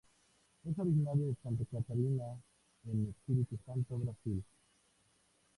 Es originaria de Santa Catarina en Espírito Santo, Brasil.